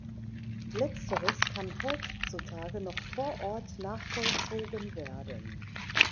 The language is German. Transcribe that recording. Letzteres kann heutzutage noch vor Ort nachvollzogen werden.